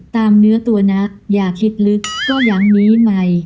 ตามเนื้อตัวนักอย่าคิดลึกก็ยังมีใหม่